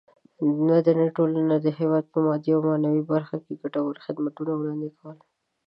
مدني ټولنه د هېواد په مادي او معنوي برخه کې ګټور خدمتونه وړاندې کوي.